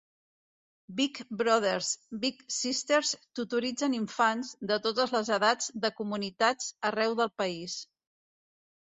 Big Brothers Big Sisters tutoritzen infants, de totes les edats de comunitats arreu del país.